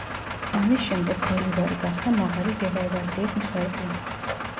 ამის შემდეგ ბოლივარი გახდა მაღალი დევალვაციის მსხვერპლი.